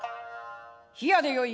冷でよい。